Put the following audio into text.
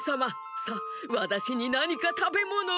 さあわたしになにかたべものを！